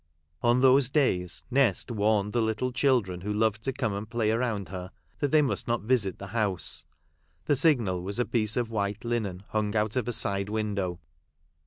On those days, Nest warned the little children who loved to come and play around her, that they must not visit the house. The signal was a piece of white linen hung out of a side window.